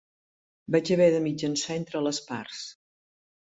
Vaig haver de mitjançar entre les parts.